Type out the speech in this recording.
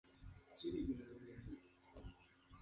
Congressional Hispanic Caucus Institute, Inc.